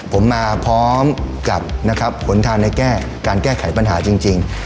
ผมมาพร้อมกับนะครับหนทางในการแก้ไขปัญหาจริง